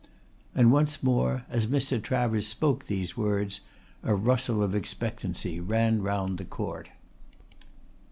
And once more, as Mr. Travers spoke these words, a rustle of expectancy ran round the court.